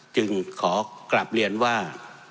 จึงขอกลับเรียนว่า